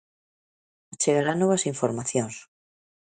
Achegará novas informacións.